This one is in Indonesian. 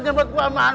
jemput gua man